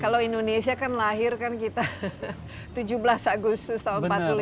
kalau indonesia kan lahir kan kita tujuh belas agustus tahun seribu sembilan ratus empat puluh lima